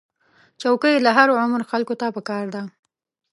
چوکۍ له هر عمر خلکو ته پکار ده.